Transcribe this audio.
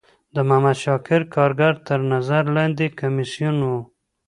د محمد شاکر کارګر تر نظر لاندی کمیسیون و.